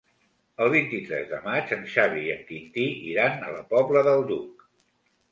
El vint-i-tres de maig en Xavi i en Quintí iran a la Pobla del Duc.